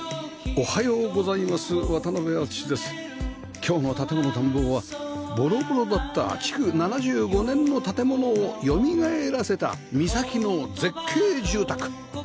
今日の『建もの探訪』はボロボロだった築７５年の建物をよみがえらせた岬の絶景住宅